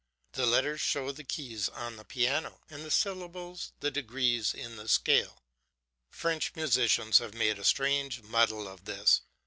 The letters show the keys on the piano, and the syllables the degrees in the scale. French musicians have made a strange muddle of this.